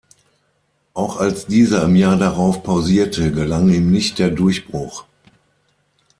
Auch als dieser im Jahr darauf pausierte, gelang ihm nicht der Durchbruch.